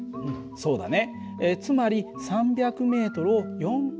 そうだね。